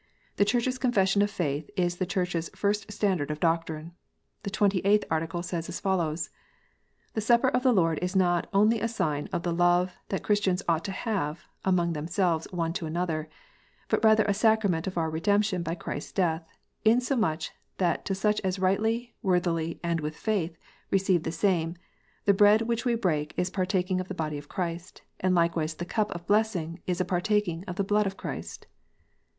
The Church s Confession of faith is the Church s first standard of doctrine. The Twenty eighth Article says as follows : "The Supper of the Lord is not only a sign of the love that Christians ought to have among themselves one to another, but rather is a Sacrament of our Redemption by Christ s death ; insomuch that to such as rightly, worthily, and with faith, receive the same, the Bread which we break is a partaking of the Body of Christ ; and likewise the Cup of Blessing is a par taking of the Blood of Christ.